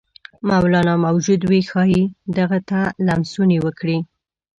که مولنا موجود وي ښايي دغه ته لمسونې وکړي.